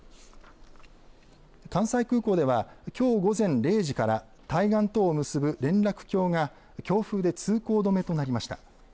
関西空港ではきょう午前０時から対岸とを結ぶ連絡橋が強風で通行止めとなりました。